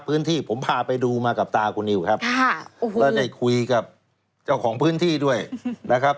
พื้นที่ผมพาไปดูมากับตาคุณนิวครับค่ะแล้วได้คุยกับเจ้าของพื้นที่ด้วยนะครับ